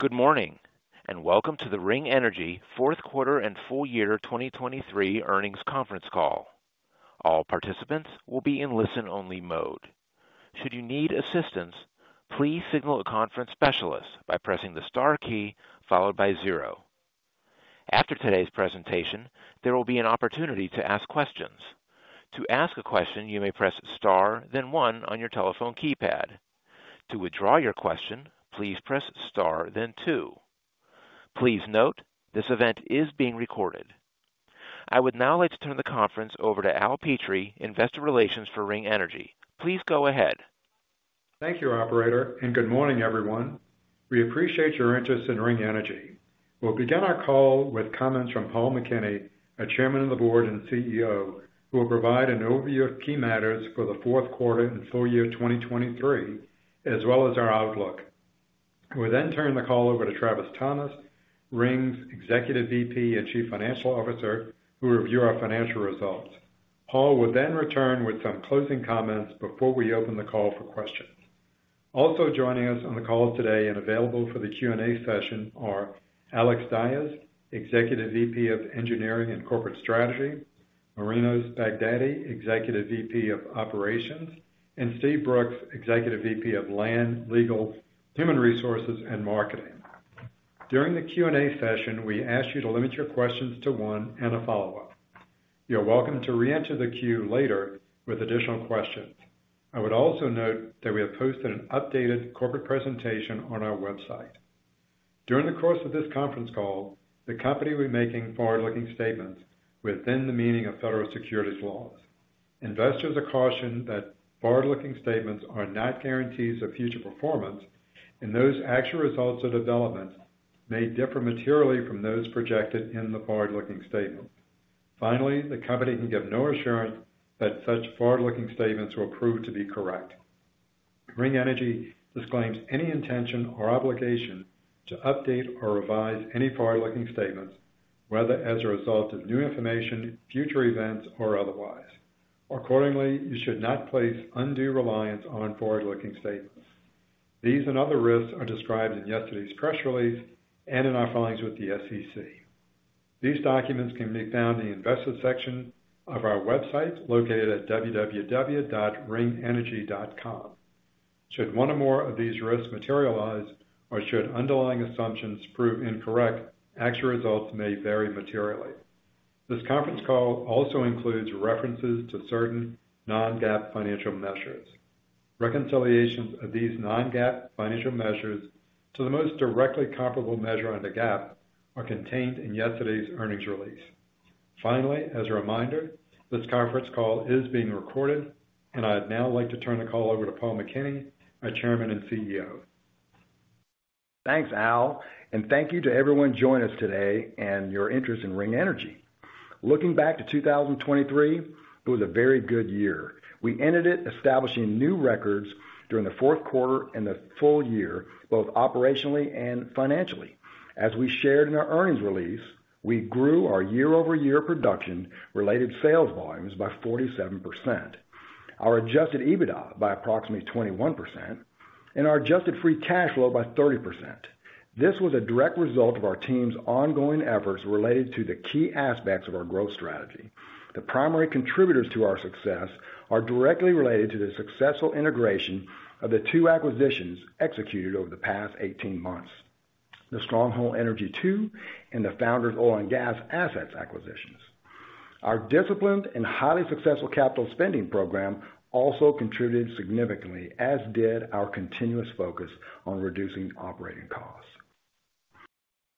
Good morning and welcome to the Ring Energy fourth quarter and full year 2023 earnings conference call. All participants will be in listen-only mode. Should you need assistance, please signal a conference specialist by pressing the star key followed by zero. After today's presentation, there will be an opportunity to ask questions. To ask a question, you may press star then one on your telephone keypad. To withdraw your question, please press star then two. Please note, this event is being recorded. I would now like to turn the conference over to Al Petrie, Investor Relations for Ring Energy. Please go ahead. Thank you, operator, and good morning, everyone. We appreciate your interest in Ring Energy. We'll begin our call with comments from Paul McKinney, the Chairman of the Board and CEO, who will provide an overview of key matters for the fourth quarter and full year 2023, as well as our outlook. We'll then turn the call over to Travis Thomas, Ring's Executive VP and Chief Financial Officer, who will review our financial results. Paul will then return with some closing comments before we open the call for questions. Also joining us on the call today and available for the Q&A session are Alex Dyes, Executive VP of Engineering and Corporate Strategy, Marinos Baghdati, Executive VP of Operations, and Steve Brooks, Executive VP of Land, Legal, Human Resources, and Marketing. During the Q&A session, we ask you to limit your questions to one and a follow-up. You're welcome to reenter the queue later with additional questions. I would also note that we have posted an updated corporate presentation on our website. During the course of this conference call, the company will be making forward-looking statements within the meaning of federal securities laws. Investors are cautioned that forward-looking statements are not guarantees of future performance, and those actual results or developments may differ materially from those projected in the forward-looking statements. Finally, the company can give no assurance that such forward-looking statements will prove to be correct. Ring Energy disclaims any intention or obligation to update or revise any forward-looking statements, whether as a result of new information, future events, or otherwise. Accordingly, you should not place undue reliance on forward-looking statements. These and other risks are described in yesterday's press release and in our filings with the SEC. These documents can be found in the Investors section of our website located at www.ringenergy.com. Should one or more of these risks materialize or should underlying assumptions prove incorrect, actual results may vary materially. This conference call also includes references to certain non-GAAP financial measures. Reconciliations of these non-GAAP financial measures to the most directly comparable measure under GAAP are contained in yesterday's earnings release. Finally, as a reminder, this conference call is being recorded, and I would now like to turn the call over to Paul McKinney, our Chairman and CEO. Thanks, Al, and thank you to everyone joining us today and your interest in Ring Energy. Looking back to 2023, it was a very good year. We ended it establishing new records during the fourth quarter and the full year, both operationally and financially. As we shared in our earnings release, we grew our year-over-year production-related sales volumes by 47%, our Adjusted EBITDA by approximately 21%, and our Adjusted Free Cash Flow by 30%. This was a direct result of our team's ongoing efforts related to the key aspects of our growth strategy. The primary contributors to our success are directly related to the successful integration of the two acquisitions executed over the past 18 months: the Stronghold Energy II and the Founders Oil & Gas assets acquisitions. Our disciplined and highly successful capital spending program also contributed significantly, as did our continuous focus on reducing operating costs.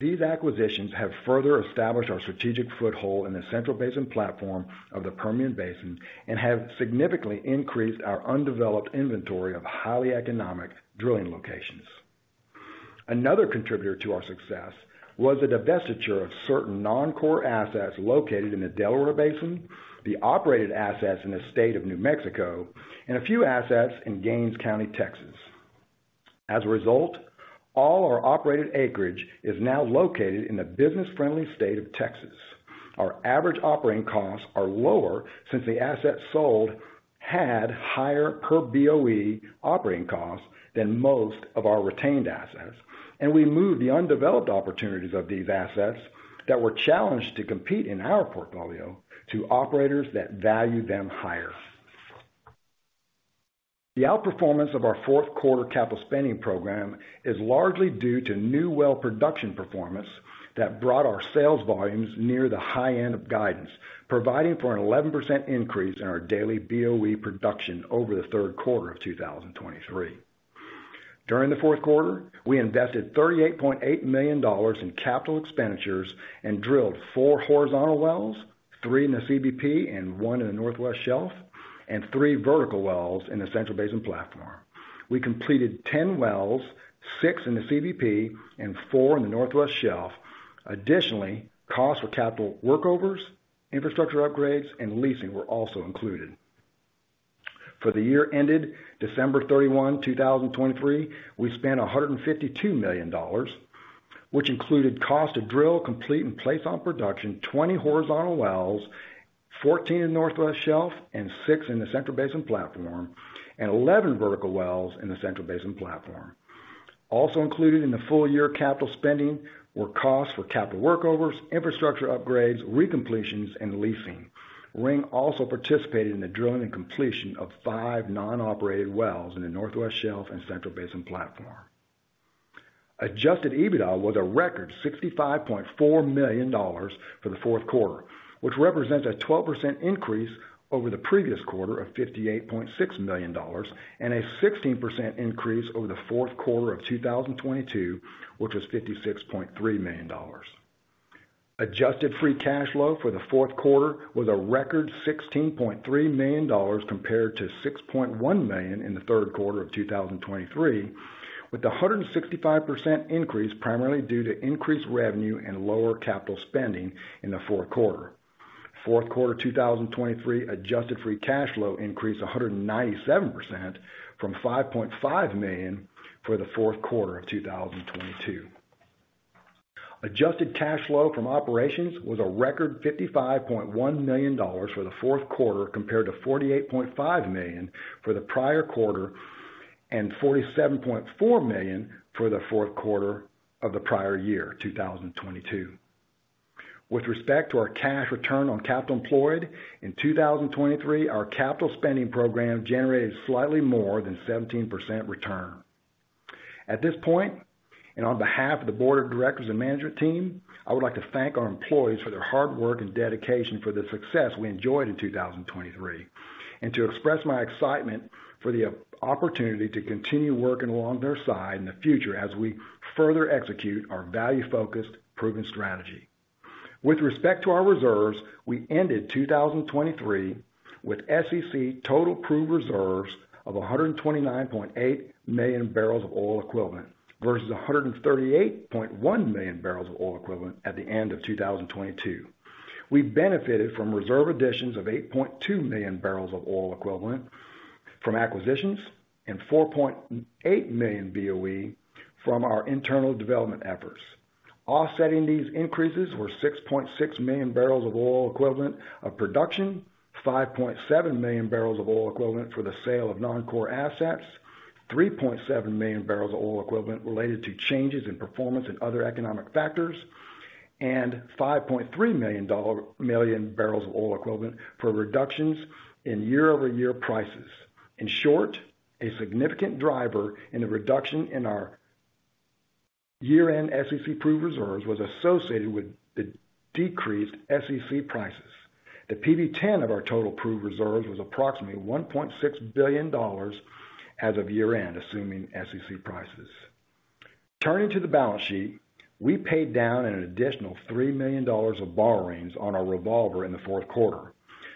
These acquisitions have further established our strategic foothold in the Central Basin Platform of the Permian Basin and have significantly increased our undeveloped inventory of highly economic drilling locations. Another contributor to our success was the divestiture of certain non-core assets located in the Delaware Basin, the operated assets in the state of New Mexico, and a few assets in Gaines County, Texas. As a result, all our operated acreage is now located in the business-friendly state of Texas. Our average operating costs are lower since the assets sold had higher per BOE operating costs than most of our retained assets, and we moved the undeveloped opportunities of these assets that were challenged to compete in our portfolio to operators that value them higher. The outperformance of our fourth quarter capital spending program is largely due to new well production performance that brought our sales volumes near the high end of guidance, providing for an 11% increase in our daily BOE production over the third quarter of 2023. During the fourth quarter, we invested $38.8 million in capital expenditures and drilled four horizontal wells, three in the CBP and one in the Northwest Shelf, and three vertical wells in the Central Basin Platform. We completed 10 wells, six in the CBP and four in the Northwest Shelf. Additionally, costs for capital workovers, infrastructure upgrades, and leasing were also included. For the year ended December 31, 2023, we spent $152 million, which included cost to drill, complete, and place on production 20 horizontal wells, 14 in the Northwest Shelf and six in the Central Basin Platform, and 11 vertical wells in the Central Basin Platform. Also included in the full year capital spending were costs for capital workovers, infrastructure upgrades, recompletions, and leasing. Ring also participated in the drilling and completion of five non-operated wells in the Northwest Shelf and Central Basin Platform. Adjusted EBITDA was a record $65.4 million for the fourth quarter, which represents a 12% increase over the previous quarter of $58.6 million and a 16% increase over the fourth quarter of 2022, which was $56.3 million. Adjusted Free Cash Flow for the fourth quarter was a record $16.3 million compared to $6.1 million in the third quarter of 2023, with a 165% increase primarily due to increased revenue and lower capital spending in the fourth quarter. Fourth quarter 2023 Adjusted Free Cash Flow increased 197% from $5.5 million for the fourth quarter of 2022. Adjusted cash flow from operations was a record $55.1 million for the fourth quarter compared to $48.5 million for the prior quarter and $47.4 million for the fourth quarter of the prior year, 2022. With respect to our cash return on capital employed in 2023, our capital spending program generated slightly more than 17% return. At this point, and on behalf of the board of directors and management team, I would like to thank our employees for their hard work and dedication for the success we enjoyed in 2023, and to express my excitement for the opportunity to continue working along their side in the future as we further execute our value-focused, proven strategy. With respect to our reserves, we ended 2023 with SEC total Proved reserves of 129.8 million barrels of oil equivalent versus 138.1 million barrels of oil equivalent at the end of 2022. We benefited from reserve additions of 8.2 million barrels of oil equivalent from acquisitions and 4.8 million BOE from our internal development efforts. Offsetting these increases were 6.6 million barrels of oil equivalent of production, 5.7 million barrels of oil equivalent for the sale of non-core assets, 3.7 million barrels of oil equivalent related to changes in performance and other economic factors, and 5.3 million barrels of oil equivalent for reductions in year-over-year prices. In short, a significant driver in the reduction in our year-end SEC proved reserves was associated with the decreased SEC prices. The PV-10 of our total proved reserves was approximately $1.6 billion as of year-end, assuming SEC prices. Turning to the balance sheet, we paid down an additional $3 million of borrowings on our revolver in the fourth quarter.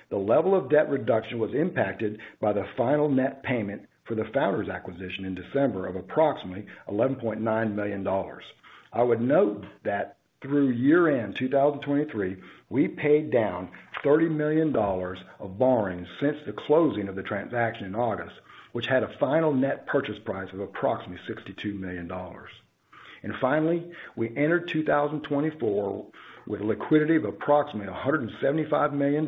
The level of debt reduction was impacted by the final net payment for the Founders' acquisition in December of approximately $11.9 million. I would note that through year-end 2023, we paid down $30 million of borrowings since the closing of the transaction in August, which had a final net purchase price of approximately $62 million. And finally, we entered 2024 with a liquidity of approximately $175 million,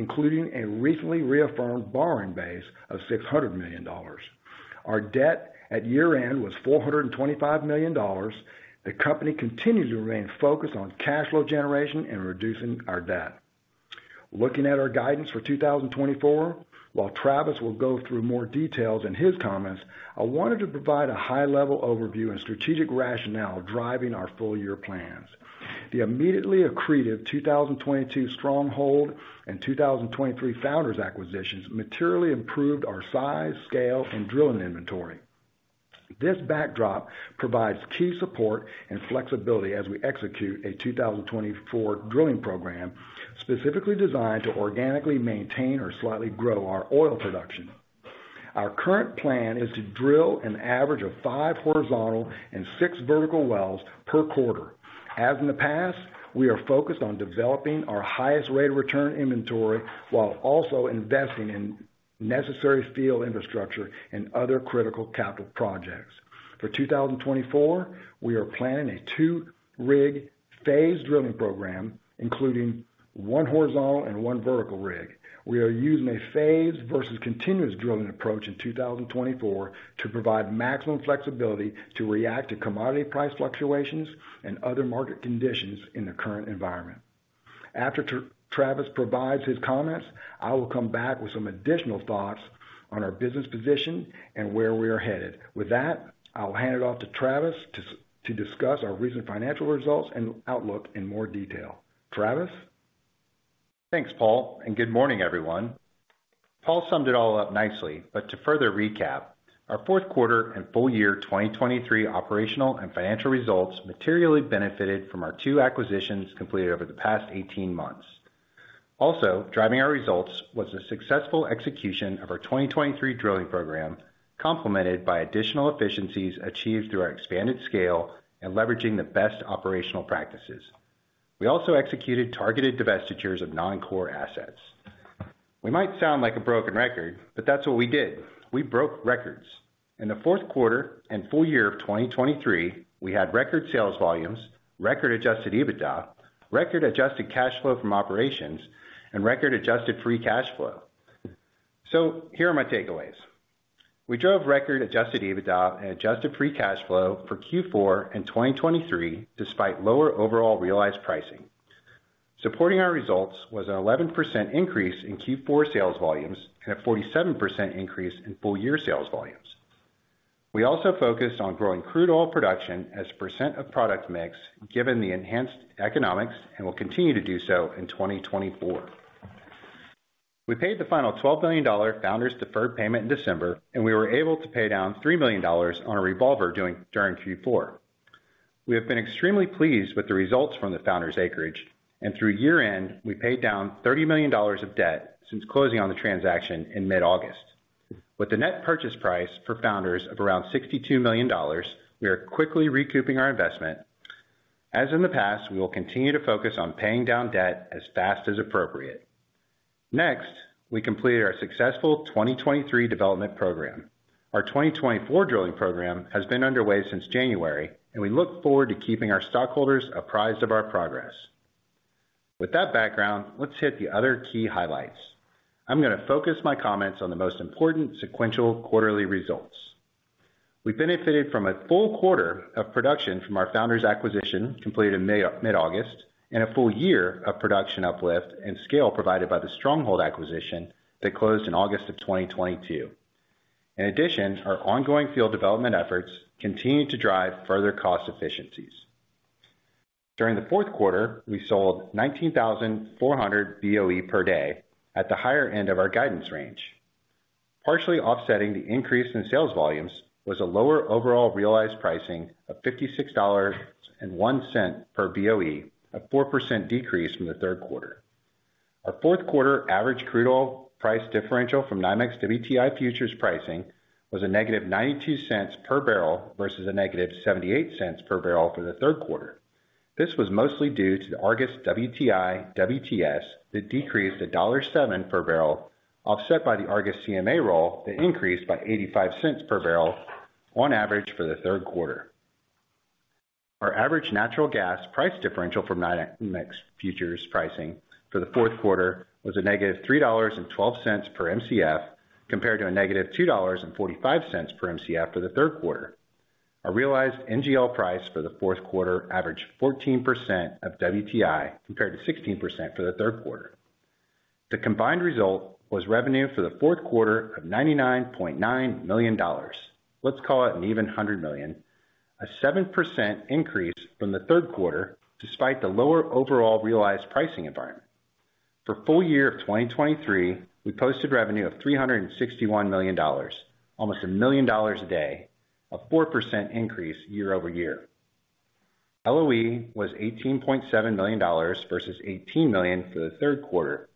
including a recently reaffirmed borrowing base of $600 million. Our debt at year-end was $425 million. The company continues to remain focused on cash flow generation and reducing our debt. Looking at our guidance for 2024, while Travis will go through more details in his comments, I wanted to provide a high-level overview and strategic rationale driving our full year plans. The immediately accretive 2022 Stronghold and 2023 Founders' acquisitions materially improved our size, scale, and drilling inventory. This backdrop provides key support and flexibility as we execute a 2024 drilling program specifically designed to organically maintain or slightly grow our oil production. Our current plan is to drill an average of five horizontal and six vertical wells per quarter. As in the past, we are focused on developing our highest rate of return inventory while also investing in necessary field infrastructure and other critical capital projects. For 2024, we are planning a 2-rig phased drilling program, including 1 horizontal and 1 vertical rig. We are using a phased versus continuous drilling approach in 2024 to provide maximum flexibility to react to commodity price fluctuations and other market conditions in the current environment. After Travis provides his comments, I will come back with some additional thoughts on our business position and where we are headed. With that, I will hand it off to Travis to discuss our recent financial results and outlook in more detail. Travis? Thanks, Paul, and good morning, everyone. Paul summed it all up nicely, but to further recap, our fourth quarter and full year 2023 operational and financial results materially benefited from our two acquisitions completed over the past 18 months. Also, driving our results was the successful execution of our 2023 drilling program, complemented by additional efficiencies achieved through our expanded scale and leveraging the best operational practices. We also executed targeted divestitures of non-core assets. We might sound like a broken record, but that's what we did. We broke records. In the fourth quarter and full year of 2023, we had record sales volumes, record Adjusted EBITDA, record adjusted cash flow from operations, and record Adjusted Free Cash Flow. So here are my takeaways. We drove record Adjusted EBITDA and Adjusted Free Cash Flow for Q4 and 2023 despite lower overall realized pricing. Supporting our results was an 11% increase in Q4 sales volumes and a 47% increase in full year sales volumes. We also focused on growing crude oil production as a percent of product mix given the enhanced economics and will continue to do so in 2024. We paid the final $12 million Founders' deferred payment in December, and we were able to pay down $3 million on a revolver during Q4. We have been extremely pleased with the results from the Founders' acreage, and through year-end, we paid down $30 million of debt since closing on the transaction in mid-August. With the net purchase price for Founders of around $62 million, we are quickly recouping our investment. As in the past, we will continue to focus on paying down debt as fast as appropriate. Next, we completed our successful 2023 development program. Our 2024 drilling program has been underway since January, and we look forward to keeping our stockholders apprised of our progress. With that background, let's hit the other key highlights. I'm going to focus my comments on the most important sequential quarterly results. We benefited from a full quarter of production from our Founders' acquisition completed in mid-August and a full year of production uplift and scale provided by the Stronghold acquisition that closed in August of 2022. In addition, our ongoing field development efforts continue to drive further cost efficiencies. During the fourth quarter, we sold 19,400 BOE per day at the higher end of our guidance range. Partially offsetting the increase in sales volumes was a lower overall realized pricing of $56.01 per BOE, a 4% decrease from the third quarter. Our fourth quarter average crude oil price differential from NYMEX WTI futures pricing was a negative $0.92 per barrel versus a negative $0.78 per barrel for the third quarter. This was mostly due to the Argus WTI WTS that decreased to $1.07 per barrel, offset by the Argus CMA roll that increased by $0.85 per barrel on average for the third quarter. Our average natural gas price differential from NYMEX futures pricing for the fourth quarter was a negative $3.12 per MCF compared to a negative $2.45 per MCF for the third quarter. Our realized NGL price for the fourth quarter averaged 14% of WTI compared to 16% for the third quarter. The combined result was revenue for the fourth quarter of $99.9 million. Let's call it an even $100 million, a 7% increase from the third quarter despite the lower overall realized pricing environment. For full year of 2023, we posted revenue of $361 million, almost a million dollars a day, a 4% increase year-over-year. LOE was $18.7 million versus $18 million for the third quarter.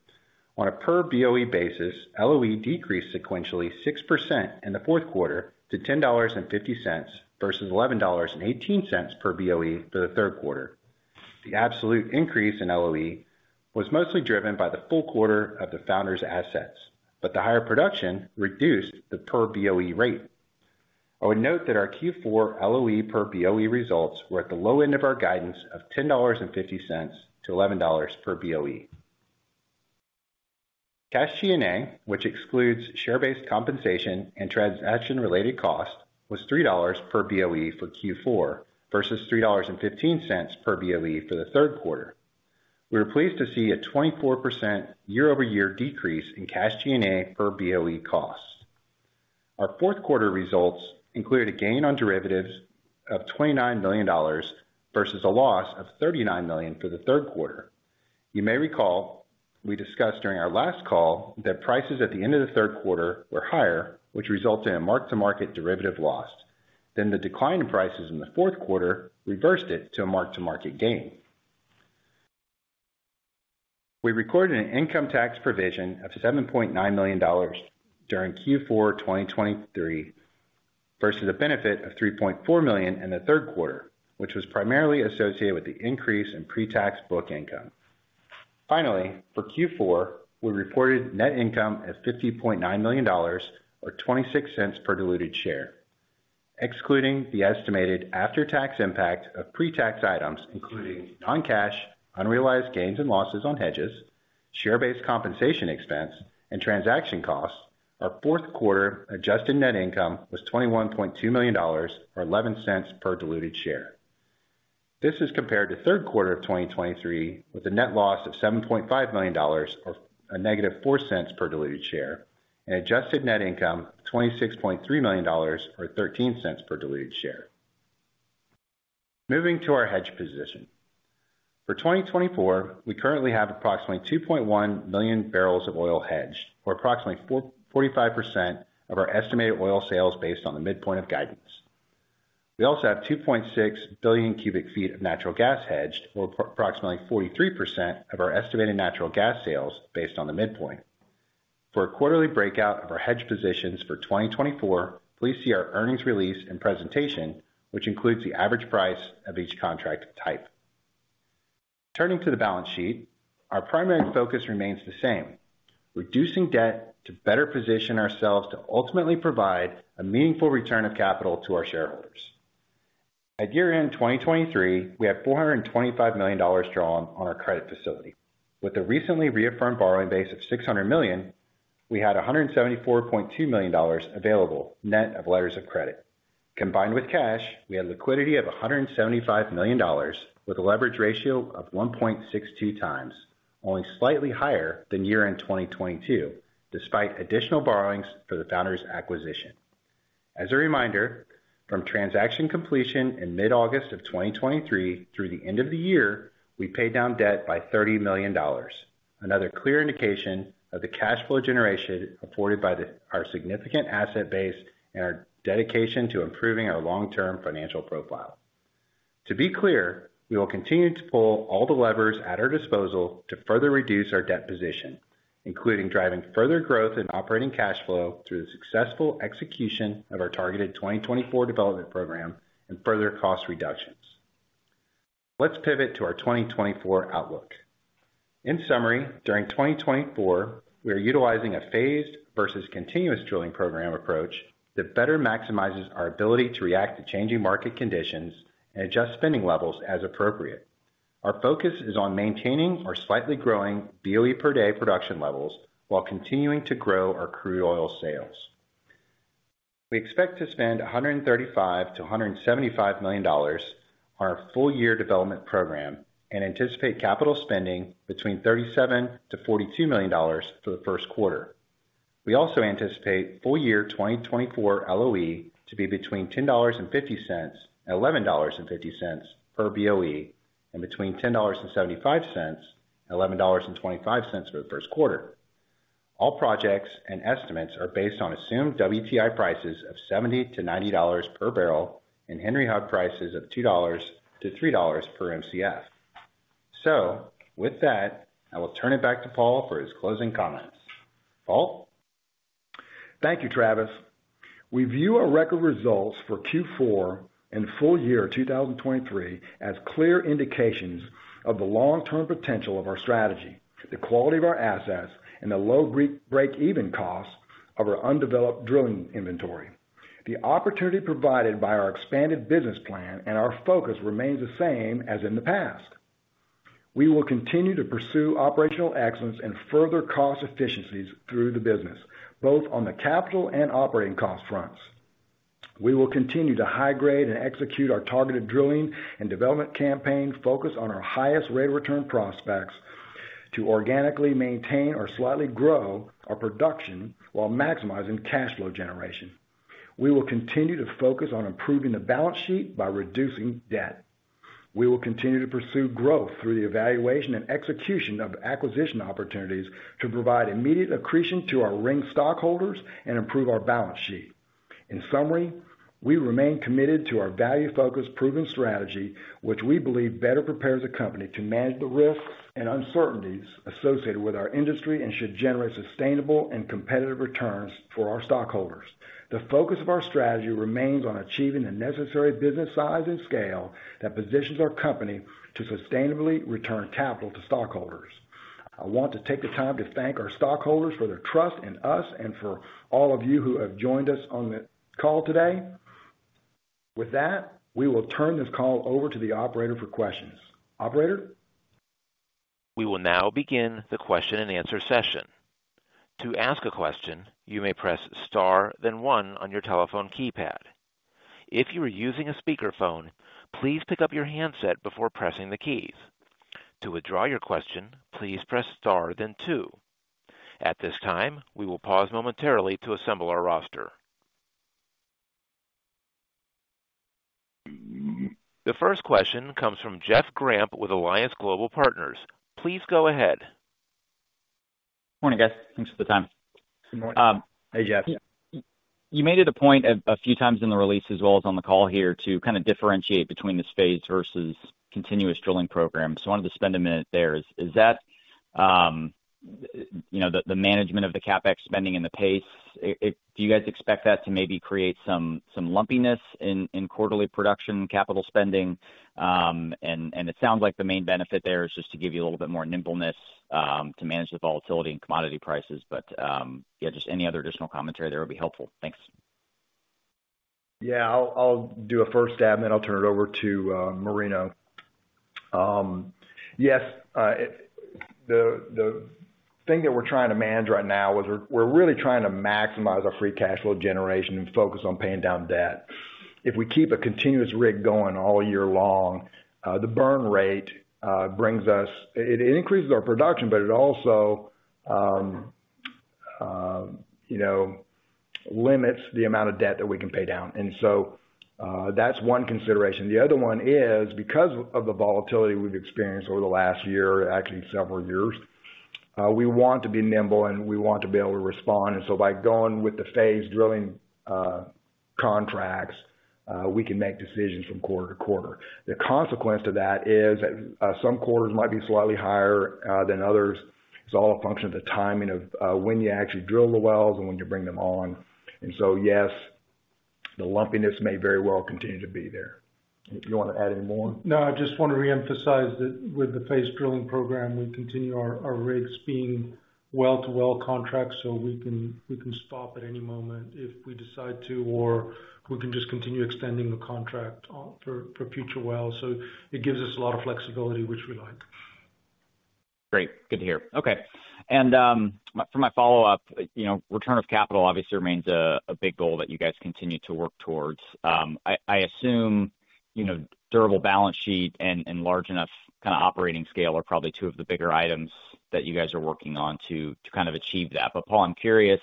On a per BOE basis, LOE decreased sequentially 6% in the fourth quarter to $10.50 versus $11.18 per BOE for the third quarter. The absolute increase in LOE was mostly driven by the full quarter of the Founders' assets, but the higher production reduced the per BOE rate. I would note that our Q4 LOE per BOE results were at the low end of our guidance of $10.50-$11 per BOE. Cash G&A, which excludes share-based compensation and transaction-related cost, was $3 per BOE for Q4 versus $3.15 per BOE for the third quarter. We were pleased to see a 24% year-over-year decrease in cash G&A per BOE cost. Our fourth quarter results included a gain on derivatives of $29 million versus a loss of $39 million for the third quarter. You may recall we discussed during our last call that prices at the end of the third quarter were higher, which resulted in a mark-to-market derivative loss. Then the decline in prices in the fourth quarter reversed it to a mark-to-market gain. We recorded an income tax provision of $7.9 million during Q4 2023 versus a benefit of $3.4 million in the third quarter, which was primarily associated with the increase in pre-tax book income. Finally, for Q4, we reported net income of $50.9 million or $0.26 per diluted share. Excluding the estimated after-tax impact of pre-tax items, including non-cash, unrealized gains and losses on hedges, share-based compensation expense, and transaction costs, our fourth quarter adjusted net income was $21.2 million or $0.11 per diluted share. This is compared to third quarter of 2023 with a net loss of $7.5 million or a negative $0.04 per diluted share and adjusted net income of $26.3 million or a $0.13 per diluted share. Moving to our hedge position. For 2024, we currently have approximately 2.1 million barrels of oil hedged or approximately 45% of our estimated oil sales based on the midpoint of guidance. We also have 2.6 billion cubic feet of natural gas hedged or approximately 43% of our estimated natural gas sales based on the midpoint. For a quarterly breakout of our hedge positions for 2024, please see our earnings release and presentation, which includes the average price of each contract type. Turning to the balance sheet, our primary focus remains the same: reducing debt to better position ourselves to ultimately provide a meaningful return of capital to our shareholders. At year-end 2023, we had $425 million drawn on our credit facility. With a recently reaffirmed borrowing base of $600 million, we had $174.2 million available net of letters of credit. Combined with cash, we had liquidity of $175 million with a leverage ratio of 1.62 times, only slightly higher than year-end 2022 despite additional borrowings for the Founders' acquisition. As a reminder, from transaction completion in mid-August of 2023 through the end of the year, we paid down debt by $30 million, another clear indication of the cash flow generation afforded by our significant asset base and our dedication to improving our long-term financial profile. To be clear, we will continue to pull all the levers at our disposal to further reduce our debt position, including driving further growth in operating cash flow through the successful execution of our targeted 2024 development program and further cost reductions. Let's pivot to our 2024 outlook. In summary, during 2024, we are utilizing a phased versus continuous drilling program approach that better maximizes our ability to react to changing market conditions and adjust spending levels as appropriate. Our focus is on maintaining our slightly growing BOE per day production levels while continuing to grow our crude oil sales. We expect to spend $135-$175 million on our full year development program and anticipate capital spending between $37-$42 million for the first quarter. We also anticipate full year 2024 LOE to be between $10.50 and $11.50 per BOE and between $10.75 and $11.25 for the first quarter. All projects and estimates are based on assumed WTI prices of $70-$90 per barrel and Henry Hub prices of $2-$3 per MCF. So with that, I will turn it back to Paul for his closing comments. Paul? Thank you, Travis. We view our record results for Q4 and full year 2023 as clear indications of the long-term potential of our strategy, the quality of our assets, and the low break-even costs of our undeveloped drilling inventory. The opportunity provided by our expanded business plan and our focus remains the same as in the past. We will continue to pursue operational excellence and further cost efficiencies through the business, both on the capital and operating cost fronts. We will continue to high-grade and execute our targeted drilling and development campaign focused on our highest rate of return prospects to organically maintain or slightly grow our production while maximizing cash flow generation. We will continue to focus on improving the balance sheet by reducing debt. We will continue to pursue growth through the evaluation and execution of acquisition opportunities to provide immediate accretion to our Ring stockholders and improve our balance sheet. In summary, we remain committed to our value-focused proven strategy, which we believe better prepares a company to manage the risks and uncertainties associated with our industry and should generate sustainable and competitive returns for our stockholders. The focus of our strategy remains on achieving the necessary business size and scale that positions our company to sustainably return capital to stockholders. I want to take the time to thank our stockholders for their trust in us and for all of you who have joined us on the call today. With that, we will turn this call over to the operator for questions. Operator? We will now begin the question and answer session. To ask a question, you may press star then one on your telephone keypad. If you are using a speakerphone, please pick up your handset before pressing the keys. To withdraw your question, please press star then two. At this time, we will pause momentarily to assemble our roster. The first question comes from Jeff Grampp with Alliance Global Partners. Please go ahead. Morning, guys. Thanks for the time. Good morning. Hey, Jeff. You made it a point a few times in the release as well as on the call here to kind of differentiate between this phased versus continuous drilling program. So I wanted to spend a minute there. Is that the management of the CapEx spending and the pace? Do you guys expect that to maybe create some lumpiness in quarterly production capital spending? And it sounds like the main benefit there is just to give you a little bit more nimbleness to manage the volatility and commodity prices. But yeah, just any other additional commentary there would be helpful. Thanks. Yeah. I'll do a first stab, then I'll turn it over to Marino. Yes. The thing that we're trying to manage right now is we're really trying to maximize our free cash flow generation and focus on paying down debt. If we keep a continuous rig going all year long, the burn rate brings us, it increases our production, but it also limits the amount of debt that we can pay down. And so that's one consideration. The other one is because of the volatility we've experienced over the last year, actually several years, we want to be nimble and we want to be able to respond. And so by going with the phased drilling contracts, we can make decisions from quarter to quarter. The consequence of that is some quarters might be slightly higher than others. It's all a function of the timing of when you actually drill the wells and when you bring them on. And so yes, the lumpiness may very well continue to be there. You want to add any more? No, I just want to reemphasize that with the phased drilling program, we continue our rigs being well-to-well contracts so we can stop at any moment if we decide to, or we can just continue extending the contract for future wells. So it gives us a lot of flexibility, which we like. Great. Good to hear. Okay. And for my follow-up, return of capital obviously remains a big goal that you guys continue to work towards. I assume durable balance sheet and large enough kind of operating scale are probably two of the bigger items that you guys are working on to kind of achieve that. But Paul, I'm curious,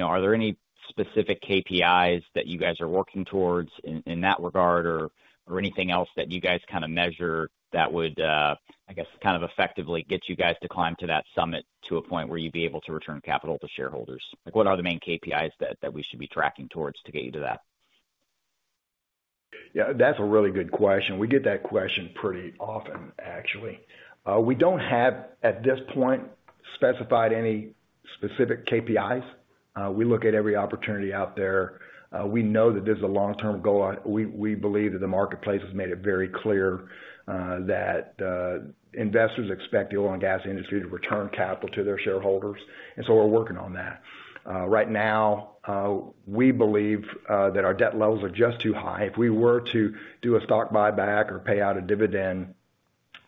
are there any specific KPIs that you guys are working towards in that regard or anything else that you guys kind of measure that would, I guess, kind of effectively get you guys to climb to that summit to a point where you'd be able to return capital to shareholders? What are the main KPIs that we should be tracking towards to get you to that? Yeah, that's a really good question. We get that question pretty often, actually. We don't have, at this point, specified any specific KPIs. We look at every opportunity out there. We know that there's a long-term goal. We believe that the marketplace has made it very clear that investors expect the oil and gas industry to return capital to their shareholders. And so we're working on that. Right now, we believe that our debt levels are just too high. If we were to do a stock buyback or pay out a dividend,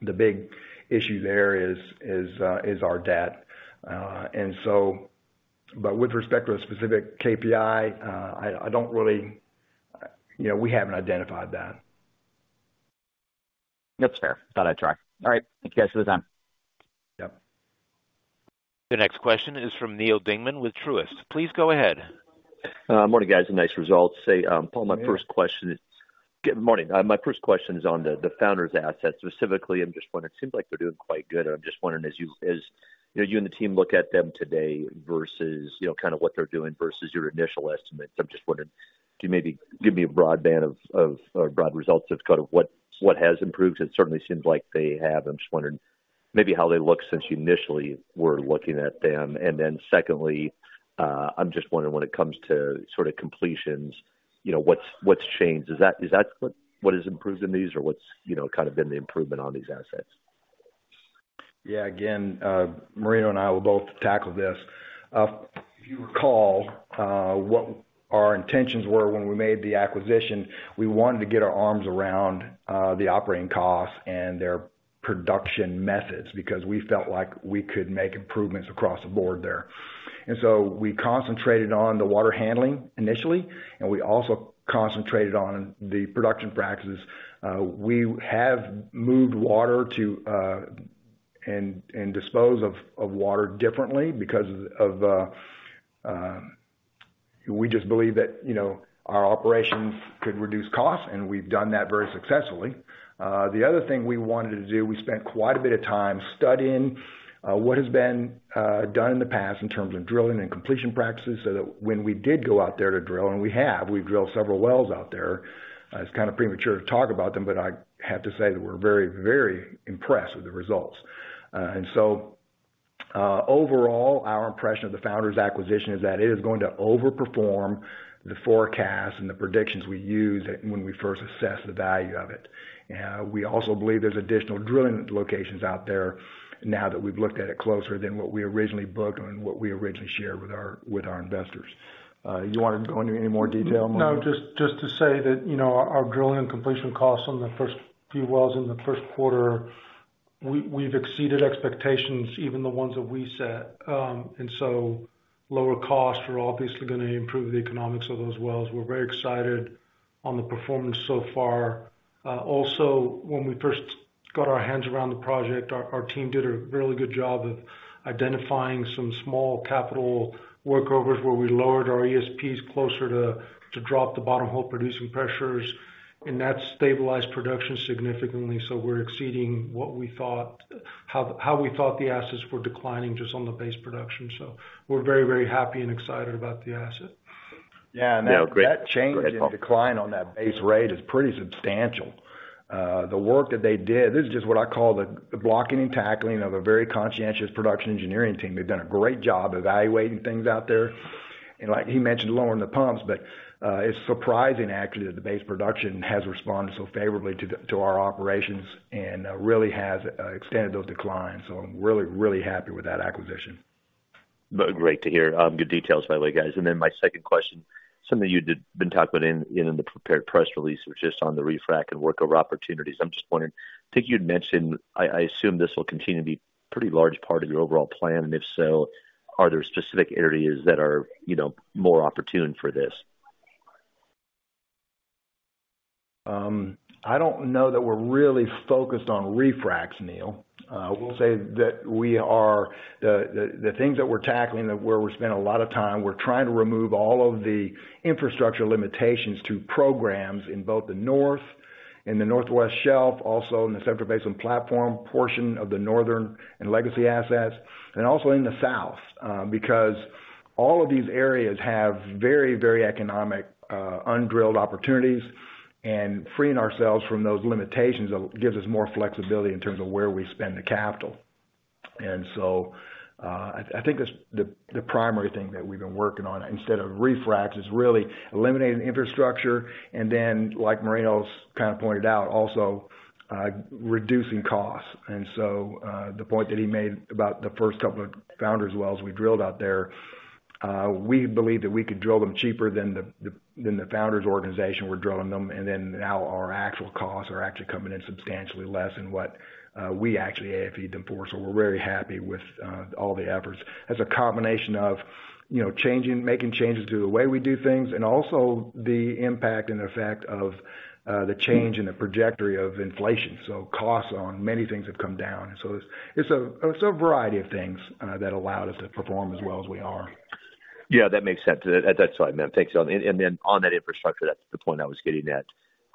the big issue there is our debt. But with respect to a specific KPI, we haven't identified that. That's fair. Thought I'd try. All right. Thank you guys for the time. Yep. The next question is from Neal Dingmann with Truist. Please go ahead. Morning, guys. Nice results. Paul, my first question is good morning. My first question is on the Founders' assets. Specifically, I'm just wondering it seems like they're doing quite good. And I'm just wondering, as you and the team look at them today versus kind of what they're doing versus your initial estimates, I'm just wondering, do you maybe give me a broadband of or broad results of kind of what has improved? Because it certainly seems like they have. I'm just wondering maybe how they look since you initially were looking at them. And then secondly, I'm just wondering, when it comes to sort of completions, what's changed? Is that what has improved in these, or what's kind of been the improvement on these assets? Yeah. Again, Marinos and I will both tackle this. If you recall what our intentions were when we made the acquisition, we wanted to get our arms around the operating costs and their production methods because we felt like we could make improvements across the board there. So we concentrated on the water handling initially, and we also concentrated on the production practices. We have moved water to and dispose of water differently because of we just believe that our operations could reduce costs, and we've done that very successfully. The other thing we wanted to do, we spent quite a bit of time studying what has been done in the past in terms of drilling and completion practices so that when we did go out there to drill and we have, we've drilled several wells out there. It's kind of premature to talk about them, but I have to say that we're very, very impressed with the results. And so overall, our impression of the Founders' acquisition is that it is going to overperform the forecasts and the predictions we used when we first assessed the value of it. We also believe there's additional drilling locations out there now that we've looked at it closer than what we originally booked and what we originally shared with our investors. You want to go into any more detail, Marinos? No, just to say that our drilling and completion costs on the first few wells in the first quarter, we've exceeded expectations, even the ones that we set. And so lower costs are obviously going to improve the economics of those wells. We're very excited on the performance so far. Also, when we first got our hands around the project, our team did a really good job of identifying some small capital workovers where we lowered our ESPs closer to drop the bottom hole producing pressures. And that stabilized production significantly, so we're exceeding what we thought the assets were declining just on the base production. So we're very, very happy and excited about the asset. Yeah. And that change and decline on that base rate is pretty substantial. The work that they did. This is just what I call the blocking and tackling of a very conscientious production engineering team. They've done a great job evaluating things out there. And like he mentioned, lowering the pumps. But it's surprising, actually, that the base production has responded so favorably to our operations and really has extended those declines. So I'm really, really happy with that acquisition. Great to hear. Good details, by the way, guys. And then my second question, something you'd been talking about in the prepared press release, which is just on the refract and workover opportunities. I'm just wondering, I think you'd mentioned I assume this will continue to be a pretty large part of your overall plan. And if so, are there specific areas that are more opportune for this? I don't know that we're really focused on refracts, Neil. I will say that we are the things that we're tackling, where we spend a lot of time, we're trying to remove all of the infrastructure limitations to programs in both the North and the Northwest Shelf, also in the Central Basin Platform portion of the northern and legacy assets, and also in the south because all of these areas have very, very economic undrilled opportunities. And freeing ourselves from those limitations gives us more flexibility in terms of where we spend the capital. And so I think the primary thing that we've been working on instead of refracts is really eliminating infrastructure and then, like Marinos kind of pointed out, also reducing costs. And so the point that he made about the first couple of Founders' wells we drilled out there, we believe that we could drill them cheaper than the Founders' organization were drilling them. And then now our actual costs are actually coming in substantially less than what we actually AFE'd them for. So we're very happy with all the efforts. That's a combination of making changes to the way we do things and also the impact and effect of the change in the trajectory of inflation. So costs on many things have come down. And so it's a variety of things that allowed us to perform as well as we are. Yeah, that makes sense. That's what I meant. Thanks, John. And then on that infrastructure, that's the point I was getting at.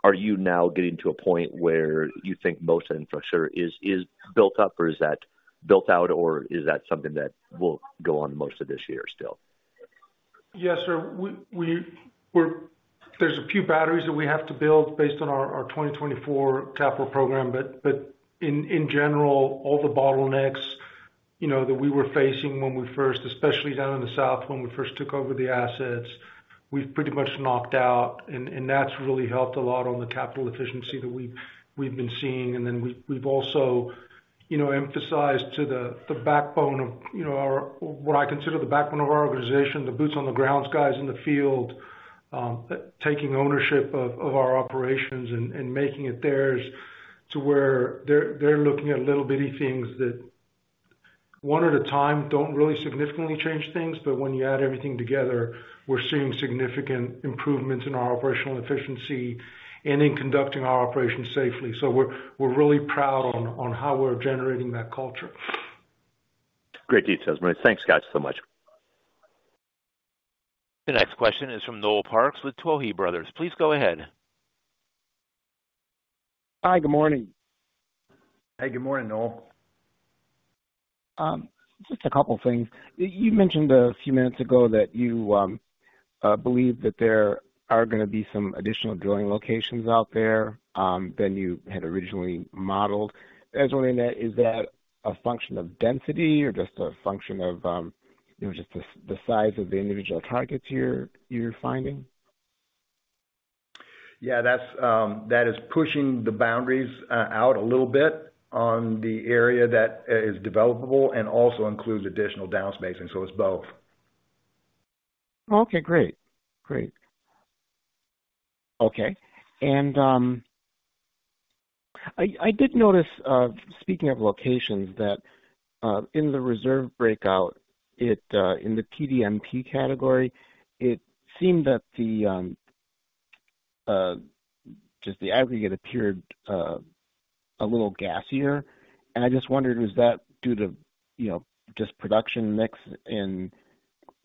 Are you now getting to a point where you think most of the infrastructure is built up, or is that built out, or is that something that will go on most of this year still? Yes, sir. There's a few batteries that we have to build based on our 2024 capital program. But in general, all the bottlenecks that we were facing when we first, especially down in the south when we first took over the assets, we've pretty much knocked out. And that's really helped a lot on the capital efficiency that we've been seeing. And then we've also emphasized to the backbone of what I consider the backbone of our organization, the boots-on-the-ground guys in the field taking ownership of our operations and making it theirs to where they're looking at little bitty things that, one at a time, don't really significantly change things. But when you add everything together, we're seeing significant improvements in our operational efficiency and in conducting our operations safely. So we're really proud on how we're generating that culture. Great details, Marinos. Thanks, guys, so much. The next question is from Noel Parks with Tuohy Brothers. Please go ahead. Hi. Good morning. Hey. Good morning, Noel. Just a couple of things. You mentioned a few minutes ago that you believe that there are going to be some additional drilling locations out there than you had originally modeled. As I was wondering that, is that a function of density or just a function of just the size of the individual targets you're finding? Yeah. That is pushing the boundaries out a little bit on the area that is developable and also includes additional downspacing. So it's both. Okay. Great. Great. Okay. And I did notice, speaking of locations, that in the reserve breakout, in the PDNP category, it seemed that just the aggregate appeared a little gassier. And I just wondered, was that due to just production mix in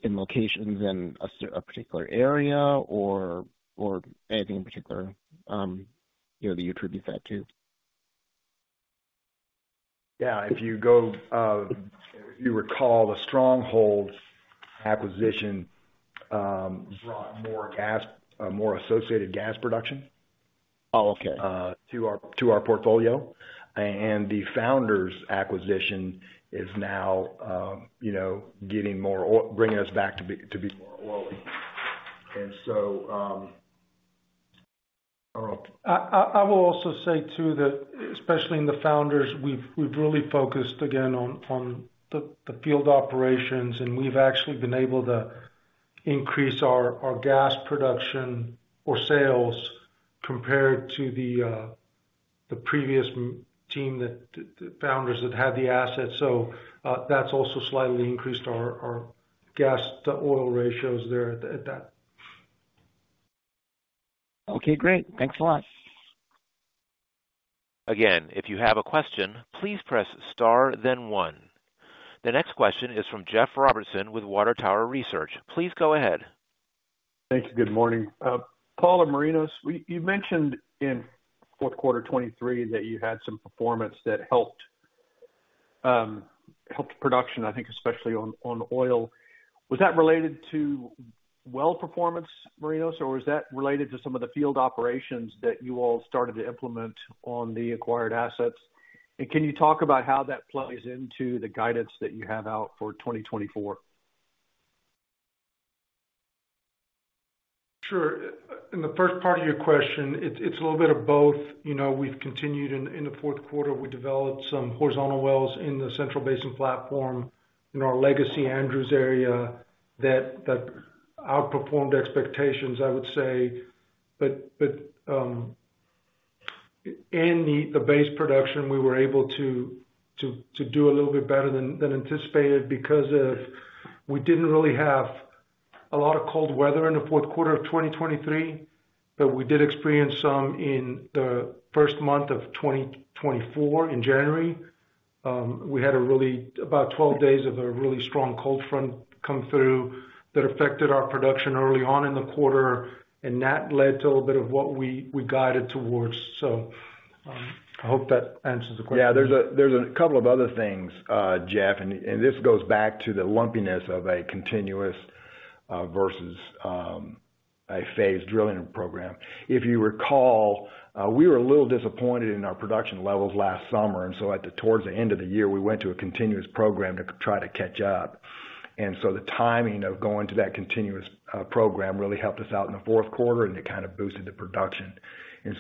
locations in a particular area or anything in particular that you attribute that to? Yeah. If you recall, the Stronghold acquisition brought more associated gas production to our portfolio. And the Founders' acquisition is now getting more bringing us back to be more oily. And so I don't know. I will also say too that, especially in the Founders, we've really focused, again, on the field operations. We've actually been able to increase our gas production or sales compared to the previous team, the Founders that had the assets. So that's also slightly increased our gas-to-oil ratios there at that. Okay. Great. Thanks a lot. Again, if you have a question, please press star, then one. The next question is from Jeff Robertson with Water Tower Research. Please go ahead. Thank you. Good morning. Paul and Marinos, you mentioned in fourth quarter 2023 that you had some performance that helped production, I think, especially on oil. Was that related to well performance, Marinos, or was that related to some of the field operations that you all started to implement on the acquired assets? And can you talk about how that plays into the guidance that you have out for 2024? Sure. In the first part of your question, it's a little bit of both. We've continued in the fourth quarter. We developed some horizontal wells in the Central Basin Platform in our legacy Andrews area that outperformed expectations, I would say. But in the base production, we were able to do a little bit better than anticipated because of we didn't really have a lot of cold weather in the fourth quarter of 2023, but we did experience some in the first month of 2024 in January. We had about 12 days of a really strong cold front come through that affected our production early on in the quarter. And that led to a little bit of what we guided towards. So I hope that answers the question. Yeah. There's a couple of other things, Jeff. This goes back to the lumpiness of a continuous versus a phased drilling program. If you recall, we were a little disappointed in our production levels last summer. So towards the end of the year, we went to a continuous program to try to catch up. So the timing of going to that continuous program really helped us out in the fourth quarter, and it kind of boosted the production.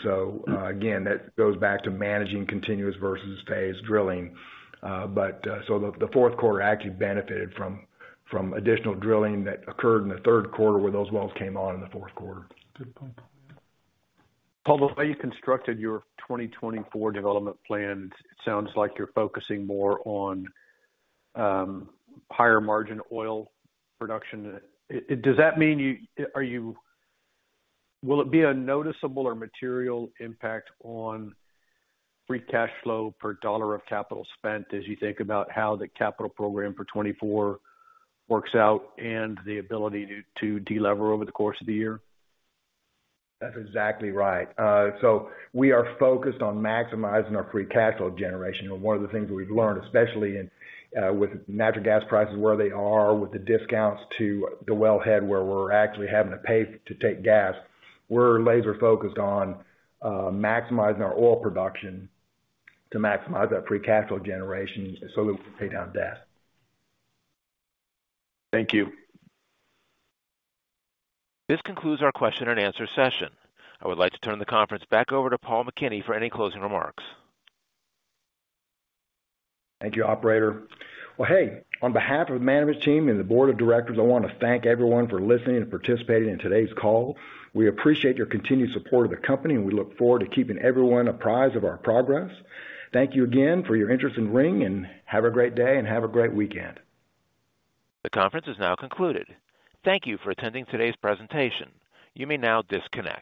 So again, that goes back to managing continuous versus phased drilling. The fourth quarter actually benefited from additional drilling that occurred in the third quarter where those wells came on in the fourth quarter. Good point. Yeah. Paul, the way you constructed your 2024 development plan, it sounds like you're focusing more on higher margin oil production. Does that mean will it be a noticeable or material impact on free cash flow per dollar of capital spent as you think about how the capital program for 2024 works out and the ability to delever over the course of the year? That's exactly right. We are focused on maximizing our free cash flow generation. One of the things we've learned, especially with natural gas prices where they are, with the discounts to the wellhead where we're actually having to pay to take gas, we're laser-focused on maximizing our oil production to maximize that free cash flow generation so that we can pay down debt. Thank you. This concludes our question-and-answer session. I would like to turn the conference back over to Paul McKinney for any closing remarks. Thank you, operator. Well, hey, on behalf of the management team and the board of directors, I want to thank everyone for listening and participating in today's call. We appreciate your continued support of the company, and we look forward to keeping everyone apprised of our progress. Thank you again for your interest in Ring, and have a great day, and have a great weekend. The conference is now concluded. Thank you for attending today's presentation. You may now disconnect.